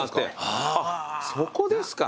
あっそこですか。